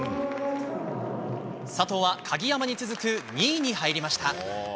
佐藤は、鍵山に続く２位に入りました。